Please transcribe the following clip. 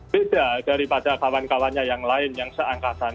tidak daripada kawan kawannya yang lain yang seangkatan